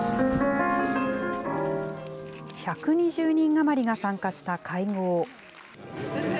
１２０人余りが参加した会合。